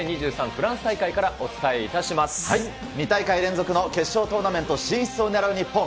フランス大２大会連続の決勝トーナメント進出を狙う日本。